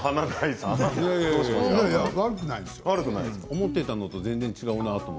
思っていたのと全然違う。